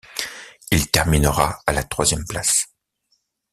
Il terminera à la troisième place.